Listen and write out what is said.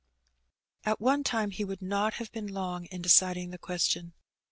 At one time he would not have been long in deciding the question.